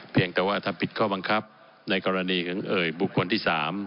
เพียงแต่ว่าถ้าผิดข้อบังคับในกรณีของเอ่ยบุคคลที่๓